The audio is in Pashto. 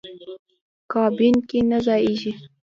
کابین کې نه ځایېږي.